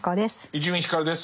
伊集院光です。